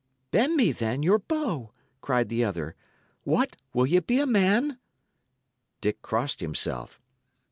"Bend me, then, your bow!" cried the other. "What! will ye be a man?" Dick crossed himself.